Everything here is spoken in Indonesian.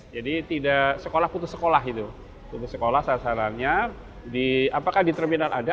jadi tidak sekolah putus sekolah itu putus sekolah sasarannya di apakah di terminal ada